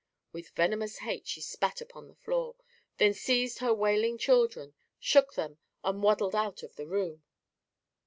With venomous hate she spat upon the floor, then seized her wailing children, shook them and waddled out of the room.